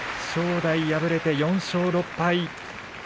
正代、敗れて４勝６敗。